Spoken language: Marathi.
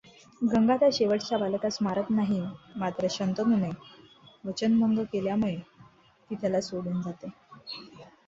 गंगा त्या शेवटच्या बालकास मारत नाही मात्र शंतनूने वचनभंग केल्यामुळे ती त्याला सोडून जाते.